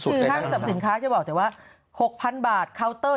คือห้างสรรพสินค้าจะบอกแต่ว่า๖๐๐๐บาทเคาน์เตอร์